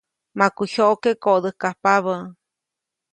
Maku jyoʼke koʼdäjkajpabä.